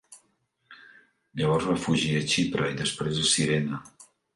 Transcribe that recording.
Llavors va fugir a Xipre i després a Cirene.